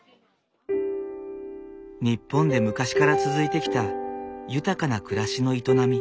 日本で昔から続いてきた豊かな暮らしの営み。